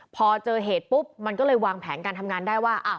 พอเจอเหตุปุ๊บมันก็เลยวางแผนการทำงานได้ว่า